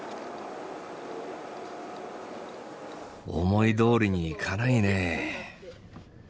思いどおりにいかないねえ。